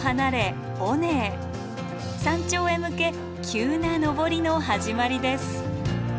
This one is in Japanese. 山頂へ向け急な登りの始まりです。